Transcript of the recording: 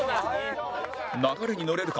流れにのれるか？